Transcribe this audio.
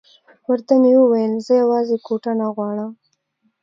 ورته مې وویل زه یوازې کوټه نه غواړم.